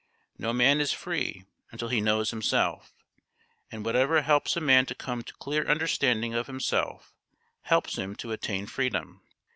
No man is free until he knows himself, and whatever helps a man to come to clear understanding of himself helps him to attain freedom.